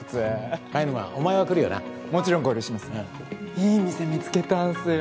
いい店見つけたんすよ。